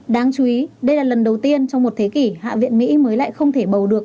đáng chú ý đây là lần đầu tiên trong một thế kỷ hạ viện mỹ mới lại không thể bầu được